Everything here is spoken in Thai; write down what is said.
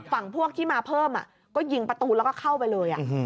ฝั่งพวกที่มาเพิ่มก็ยิงประตูแล้วก็เข้าไปเลย